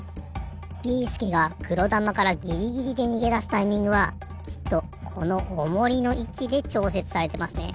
ビーすけがくろだまからギリギリでにげだすタイミングはきっとこのオモリのいちでちょうせつされてますね。